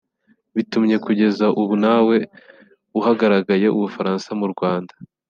bitumye kugeza ubu ntawe uhagarariye u Bufaransa mu Rwanda